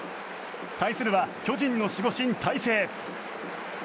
対するは巨人の守護神・大勢。